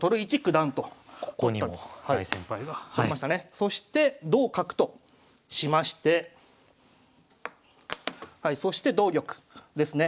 そして同角としましてそして同玉ですね。